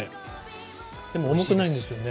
でも重くないんですよね。